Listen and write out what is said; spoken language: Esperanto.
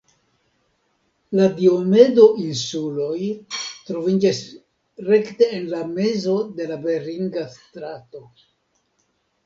La Diomedo-insuloj troviĝas rekte en la mezo de la Beringa Strato.